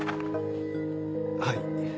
はい。